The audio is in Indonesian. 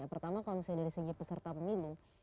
pertama kalau misalnya dari segi peserta pemilu